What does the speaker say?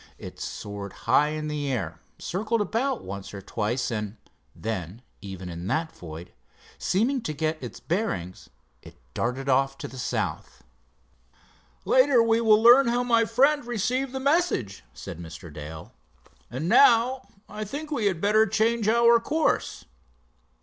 It soared high in the air, circled about once or twice and, then even in that void, seeming to get its bearings, it darted off to the south. "Later we will learn how my friend received the message," said Mr. Dale. "And now I think we had better change our course."